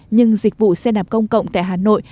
nhưng dịch vụ xe đạp công cộng tại hà nội